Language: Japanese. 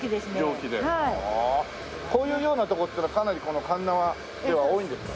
こういうようなとこっていうのはかなり鉄輪では多いんですか？